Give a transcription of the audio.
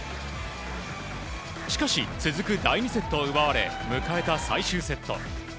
しかし続く第２セットを奪われ迎えた最終セット。